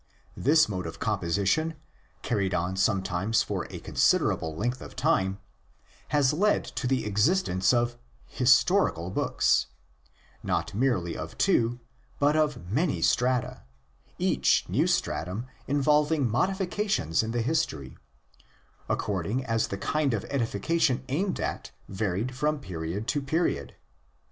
This mode of composition, carried on sometimes for a con siderable length of time, has led to the existence of '* historical '' books, not merely of two, but of many strata; each new stratum involving modifications in the history, according as the kind of edification aimed at varied from period to period.